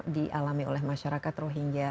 dialami oleh masyarakat rohingya